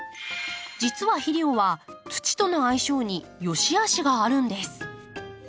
実は肥料は土との相性によしあしがあるんです。